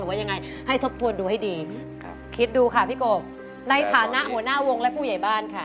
ว่ายังไงให้ทบทวนดูให้ดีครับคิดดูค่ะพี่กบในฐานะหัวหน้าวงและผู้ใหญ่บ้านค่ะ